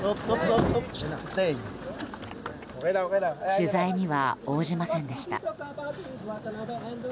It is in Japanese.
取材には応じませんでした。